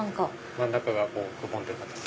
真ん中がくぼんでる形です。